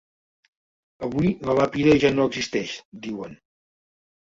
Avui la làpida ja no existeix, diuen.